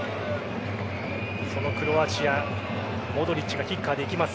そのクロアチアモドリッチがキッカーで行きます。